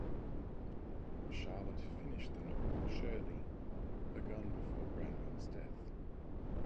Charlotte finished the novel "Shirley", begun before Branwell's death.